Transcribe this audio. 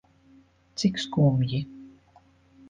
Cik skumji.